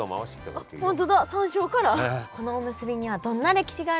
このおむすびにはどんな歴史があるのか。